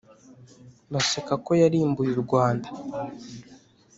Baseka ko yarimbuye u Rwanda